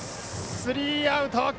スリーアウト。